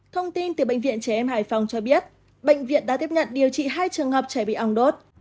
thông tin từ bệnh viện trẻ em hải phòng cho biết bệnh viện đã tiếp nhận điều trị hai trường hợp trẻ bị ong đốt